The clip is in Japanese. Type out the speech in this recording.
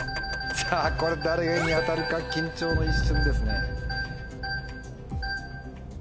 これ誰に当たるか緊張の一瞬ですね。